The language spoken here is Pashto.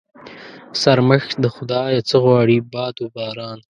شرمښ د خدا يه څه غواړي ؟ باد و باران.